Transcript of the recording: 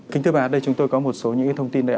kính thưa bà đây chúng tôi có một số thông tin